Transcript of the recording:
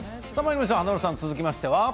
華丸さん、続きましては。